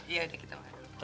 iya udah kita makan